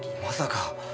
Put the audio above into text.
まさか。